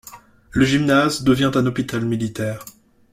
Le Gymnase devient un hôpital militaire.